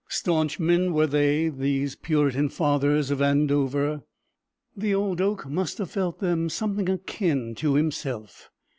Stanch men were they these Puritan fathers of Andover. The old oak must have felt them something akin to himself.